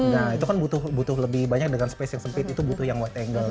nah itu kan butuh lebih banyak dengan space yang sempit itu butuh yang wide angle